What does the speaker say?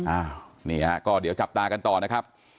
อ้าวนี่ฮะก็เดี๋ยวจับตากันต่อนะครับ